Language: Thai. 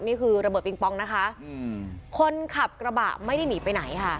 นี่คือระเบิดปิงปองนะคะอืมคนขับกระบะไม่ได้หนีไปไหนค่ะ